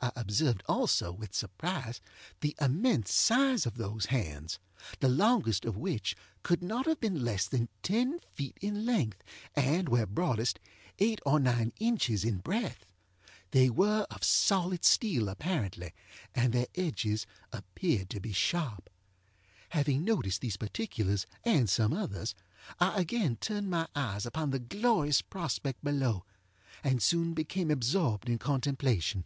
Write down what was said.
I observed also, with surprise, the immense size of these hands, the longest of which could not have been less than ten feet in length, and, where broadest, eight or nine inches in breadth. They were of solid steel apparently, and their edges appeared to be sharp. Having noticed these particulars, and some others, I again turned my eyes upon the glorious prospect below, and soon became absorbed in contemplation.